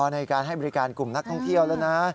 ในการให้บริการกลุ่มนักท่องเที่ยวแล้วนะ